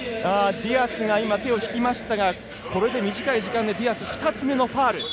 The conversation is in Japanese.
ディアスが手を引きましたがこれで短い時間でディアス２つ目のファウル。